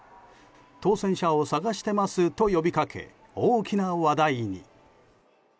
当せん者を探していますと呼びかけ、大きな話題に。